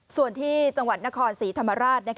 ส่วนที่จังหวัดนครศรีธรรมราช